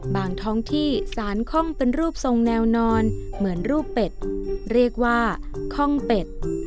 ท้องที่สารค่องเป็นรูปทรงแนวนอนเหมือนรูปเป็ดเรียกว่าคล่องเป็ด